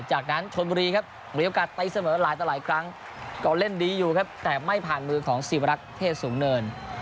จากนั้นชนบุรีครับมีโอกาสตีเสมอหลายต่อหลายครั้งก็เล่นดีอยู่ครับแต่ไม่ผ่านมือของสิวรักษ์เทศสูงเนิน